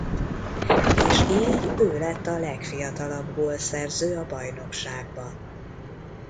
És így ő lett a legfiatalabb gólszerző a bajnokságban.